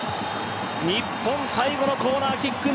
日本、最後のコーナーキック